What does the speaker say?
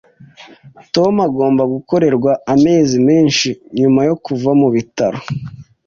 Tom agomba gukorerwa amezi menshi nyuma yo kuva mubitaro.